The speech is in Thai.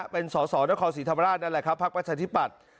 เป็นสสนครศรีธรรมราชนั่นแหละครับพักประชาธิปัตย์